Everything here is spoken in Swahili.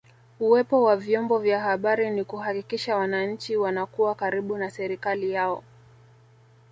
Uwepo wa vyombo vya habari ni kuhakikisha wananchi wanakuwa karibu na serikali yao